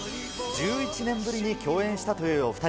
１１年ぶりに競演したというお２人。